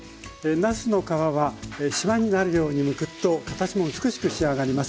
なすの皮はしまになるようにむくと形も美しく仕上がります。